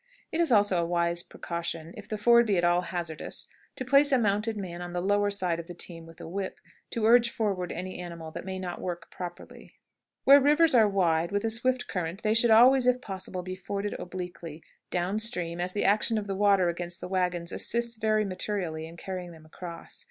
It is also a wise precaution, if the ford be at all hazardous, to place a mounted man on the lower side of the team with a whip, to urge forward any animal that may not work properly. [Illustration: SWIMMING A HORSE.] Where rivers are wide, with a swift current, they should always, if possible, be forded obliquely down stream, as the action of the water against the wagons assists very materially in carrying them across.